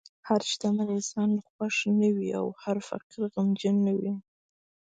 هر شتمن انسان خوښ نه وي، او هر فقیر غمجن نه وي.